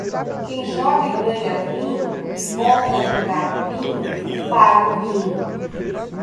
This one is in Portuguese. Quem joga e ganha vinho, e volta a jogar vinho, paga o vinho.